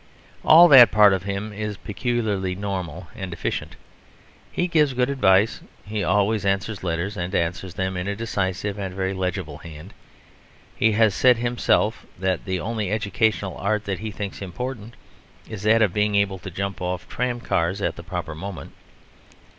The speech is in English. All that part of him is peculiarly normal and efficient. He gives good advice; he always answers letters, and answers them in a decisive and very legible hand. He has said himself that the only educational art that he thinks important is that of being able to jump off tram cars at the proper moment.